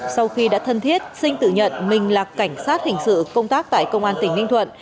sau khi đã thân thiết sinh tự nhận mình là cảnh sát hình sự công tác tại công an tỉnh ninh thuận